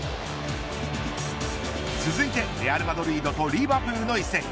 続いて、レアルマドリードとリヴァプールの一戦。